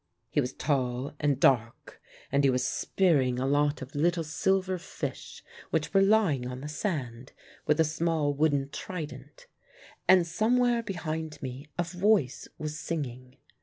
He was tall and dark, and he was spearing a lot of little silver fish which were lying on the sand with a small wooden trident; and somewhere behind me a voice was singing.